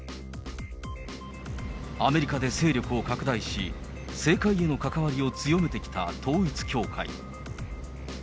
アメリカで勢力を拡大し、政界への関わりを強めてきた統一教会。